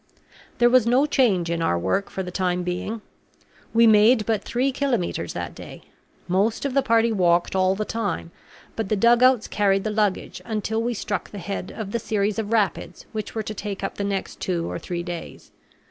There was no change in our work for the time being. We made but three kilometres that day. Most of the party walked all the time; but the dugouts carried the luggage until we struck the head of the series of rapids which were to take up the next two or three days.